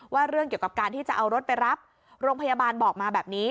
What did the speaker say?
เรื่องเกี่ยวกับการที่จะเอารถไปรับโรงพยาบาลบอกมาแบบนี้